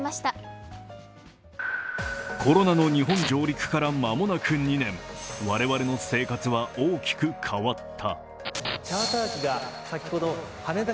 コロナの日本上陸から間もなく２年、我々の生活は大きく変わった。